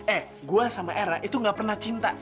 eh gue sama era itu gak pernah cinta